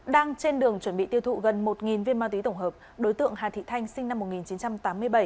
đang trên đường chuẩn bị tiêu thụ gần một viên ma túy tổng hợp đối tượng hà thị thanh sinh năm một nghìn chín trăm tám mươi bảy